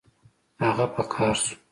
هغه په قهر شو